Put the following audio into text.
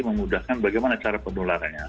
memudahkan bagaimana cara penularannya